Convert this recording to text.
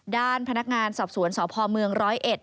ด้านพนักงานสอบสวนสภเมือง๑๐๑พันธุ์